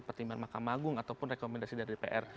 pertimbangan makam magung ataupun rekomendasi dari pr